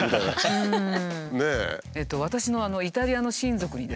うん。